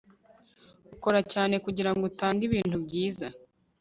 ukora cyane kugirango utange ibintu byiza